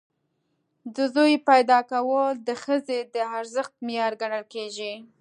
د زوی پیدا کول د ښځې د ارزښت معیار ګڼل کېږي.